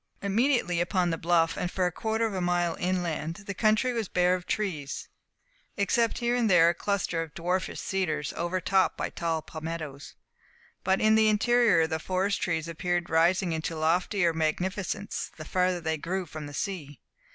Immediately upon the bluff, and for a quarter of a mile inland, the country was bare of trees, except here and there a cluster of dwarfish cedars, overtopped by tall palmettoes; but in the interior the forest trees appeared rising into loftier magnificence the farther they grew from the sea.